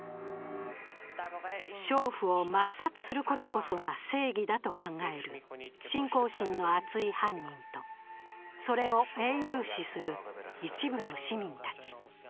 娼婦を抹殺することこそが正義だと考える信仰心の厚い犯人とそれを英雄視する一部の市民たち。